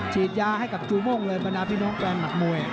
ฉีดยาให้กับจูโม่งเลยบรรดาพี่น้องแฟนหมัดมวย